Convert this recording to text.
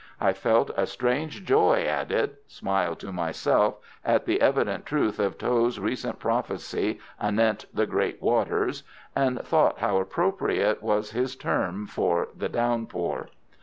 I felt a strange joy at it, smiled to myself at the evident truth of Tho's recent prophecy anent the "great waters," and thought how appropriate was his term for the downpour.